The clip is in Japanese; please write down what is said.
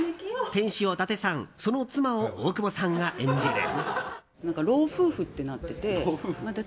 店主を伊達さんその妻を大久保さんが演じる。